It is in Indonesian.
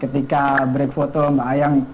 ketika beri foto mbak kayang